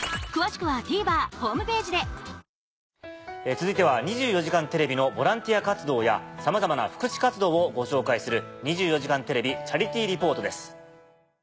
続いては『２４時間テレビ』のボランティア活動やさまざまな福祉活動をご紹介する。